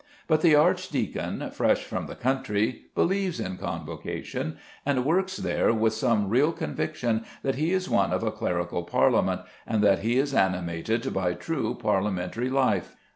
But the archdeacon, fresh from the country, believes in Convocation, and works there with some real conviction that he is one of a clerical Parliament, and that he is animated by true parliamentary life.